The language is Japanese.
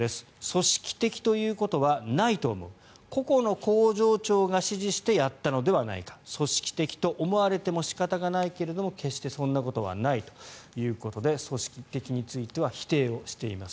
組織的ということはないと思う個々の工場長が指示してやったのではないか組織的と思われても仕方がないけれども決してそんなことはないということで組織的については否定をしています。